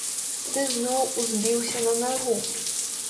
Ты зноў узбіўся на нагу!